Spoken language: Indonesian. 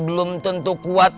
belum tentu kuat